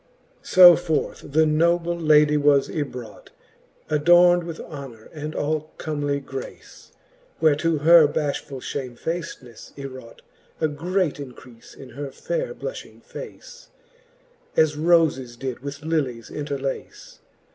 XXIII. So forth the noble ladie was ybrought, Adorn'd with honor and all comely grace : Whereto her bafhfuU IhamefallnefTe ywrought A great increafe in her faire blufhing face ; As rofes did with lillies interlace.